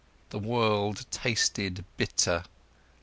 The world tasted bitter.